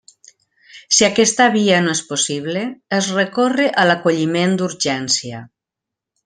Si aquesta via no és possible, es recorre a l'acolliment d'urgència.